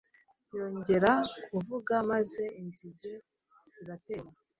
Yongera kuvuga maze inzige ziratera